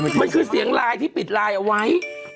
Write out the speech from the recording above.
มันคือเสียงไลน์ที่ปิดไลน์เอาไว้